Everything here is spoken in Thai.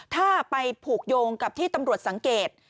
ถ้าไปผูกโยงกับที่ตำรวจสังเกต